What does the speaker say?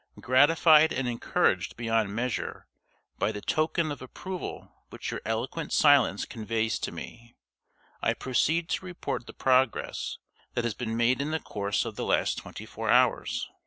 Gratified and encouraged beyond measure by the token of approval which your eloquent silence conveys to me, I proceed to report the progress that has been made in the course of the last twenty four hours.